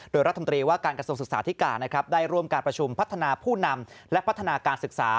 โดยรัฐมนตรีว่าการกระทรวงศึกษาธิการนะครับได้ร่วมการประชุมพัฒนาผู้นำและพัฒนาการศึกษา